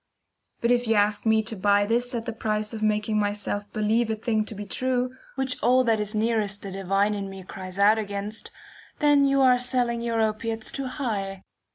But if you ask me to buy this at the price of making myself believe a thing to be true, which all that is nearest the divine in me cries out against, then you are selling your opiates too high.